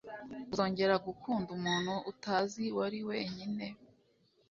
uzongera gukunda umuntu utazi wari wenyine